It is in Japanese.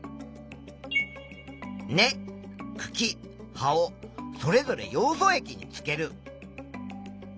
根くき葉をそれぞれヨウ素液につける。